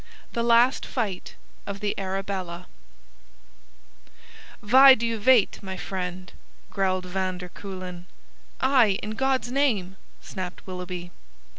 THE LAST FIGHT OF THE ARABELLA "VHY do you vait, my friend?" growled van der Kuylen. "Aye in God's name!" snapped Willoughby.